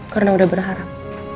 karena udah berharap